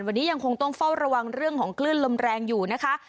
วันนี้ยังคงต้องเฝ้าระวังเรื่องของคลื่นลมแรงอยู่นะคะ